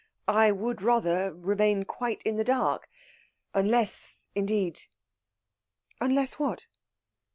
I would rather remain quite in the dark unless, indeed " "Unless what?"